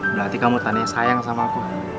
berarti kamu tanya sayang sama aku